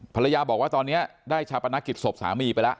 ภรรยาบอกว่าตอนนี้ได้ชาปนกิจศพสามีไปแล้ว